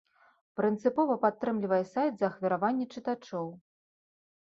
Прынцыпова падтрымлівае сайт за ахвяраванні чытачоў.